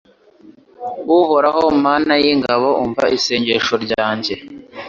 Uhoraho Mana y’ingabo umva isengesho ryanjye